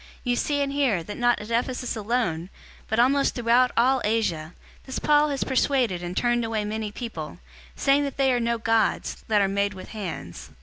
019:026 You see and hear, that not at Ephesus alone, but almost throughout all Asia, this Paul has persuaded and turned away many people, saying that they are no gods, that are made with hands.